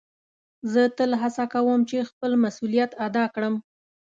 زه تل هڅه کؤم چي خپل مسؤلیت ادا کړم.